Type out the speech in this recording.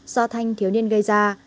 do thanh thiếu niên gây ra